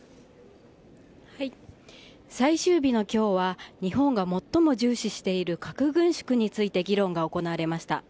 最終日のきょうは、日本が最も重視している核軍縮について議論が行われました。